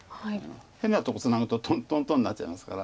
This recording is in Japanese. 変なとこツナぐととんとんになっちゃいますから。